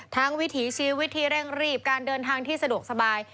วิถีชีวิตที่เร่งรีบการเดินทางที่สะดวกสบาย